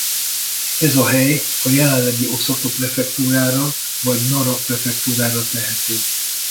Ez a hely a jelenlegi Oszaka prefektúrára vagy Nara prefektúrára tehető.